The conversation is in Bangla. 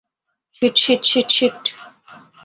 Sheet, shit, shit, sheet.